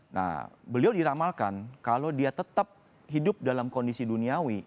nah beliau diramalkan kalau dia tetap hidup dalam kondisi duniawi